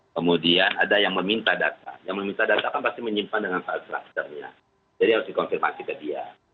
kemudian ada yang meminta data yang meminta data kan pasti menyimpan dengan file structure nya jadi harus dikonfirmasi ke dia